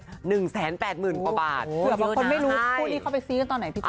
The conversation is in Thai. เกือบว่าคนไม่รู้ผู้นี้เขาไปซีกตอนไหน